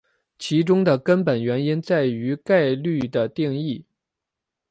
其中的根本原因在于概率的定义。